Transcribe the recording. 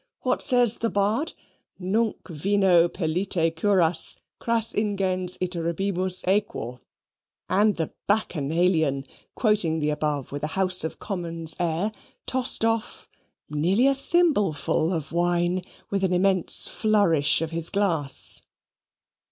What says the bard? 'Nunc vino pellite curas, Cras ingens iterabimus aequor,'" and the Bacchanalian, quoting the above with a House of Commons air, tossed off nearly a thimbleful of wine with an immense flourish of his glass.